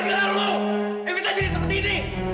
kenapa gak dari kemarin kemarin